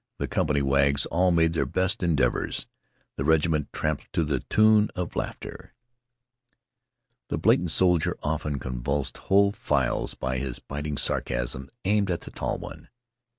The company wags all made their best endeavors. The regiment tramped to the tune of laughter. The blatant soldier often convulsed whole files by his biting sarcasms aimed at the tall one.